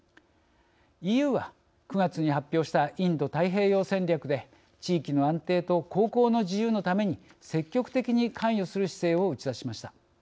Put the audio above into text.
ＥＵは９月に発表したインド太平洋戦略で地域の安定と航行の自由のために積極的に関与する姿勢を打ち出しました。